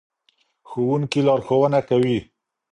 ښوونکي لارښوونه کوي.